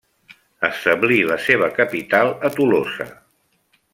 Establí la seva capital a Tolosa.